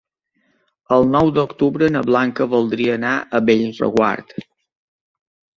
El nou d'octubre na Blanca voldria anar a Bellreguard.